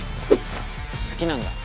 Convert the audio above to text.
好きなんだ